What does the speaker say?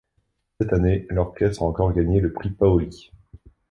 Cette année l'orchestre a encore gagné le Prix Paoli.